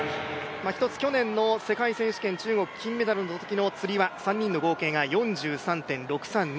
１つ去年の世界選手権中国、ｌ金メダルのときのつり輪、３人の合計が４３．６３２